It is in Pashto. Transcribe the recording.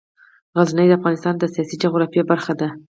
غزني د افغانستان د سیاسي جغرافیه برخه ده.